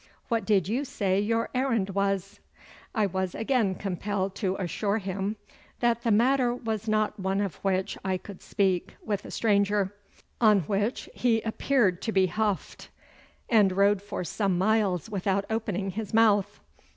What did you say your errand was?' I was again compelled to assure him that the matter was not one of which I could speak with a stranger, on which he appeared to be huffed, and rode for some miles without opening his mouth.